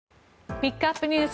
ピックアップＮＥＷＳ